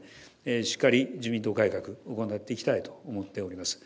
しっかり自民党改革、行っていきたいと思っております。